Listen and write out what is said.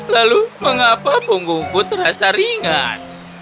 lalu mengapa punggungku terasa ringan